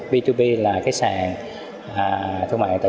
b hai b là sàn thương mại điện tử